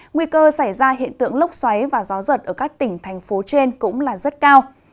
nguy cơ xảy ra hiện tượng lốc xoáy và gió giật ở các tỉnh thành phố trên cũng là rất cao